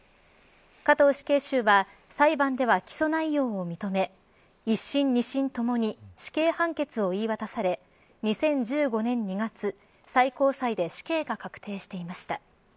加藤死刑囚は裁判では起訴内容を認め一審、二審ともに死刑判決を言い渡され２０１５年２月最高裁で死刑が確定していました。